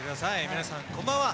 皆さんこんばんは。